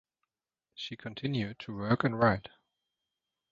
She continued to work and write.